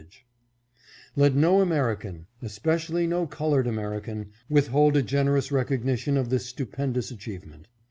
Let no American, especially no colored American, withhold a generous recognition of this stupendous achievement.